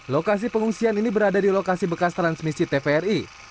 lokasi pengungsian ini berada di lokasi bekas transmisi tvri